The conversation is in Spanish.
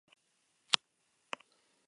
Este año todos se gradúan.